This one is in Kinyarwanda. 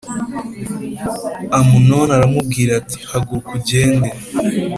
Amunoni aramubwira ati “Haguruka ugende.”